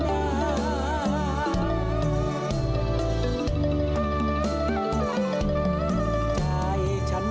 ทำถึงครักษ์๒๐๒๒โรงสี่ชั้นย์จะด้วยไว้